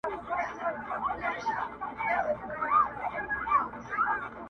نو پيدا يې كړه پيشو توره چالاكه؛